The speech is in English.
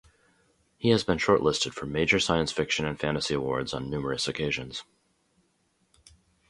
He has been shortlisted for major science fiction and fantasy awards on numerous occasions.